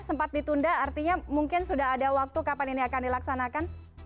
sempat ditunda artinya mungkin sudah ada waktu kapan ini akan dilaksanakan